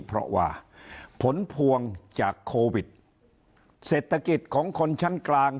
เพราะว่าผลพวงจากโควิดเศรษฐกิจของคนชั้นกลาง